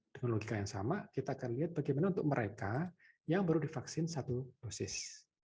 dengan logika yang sama kita akan lihat bagaimana untuk mereka yang baru divaksin satu dosis